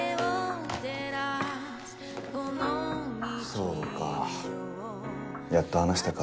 そうかやっと話したか。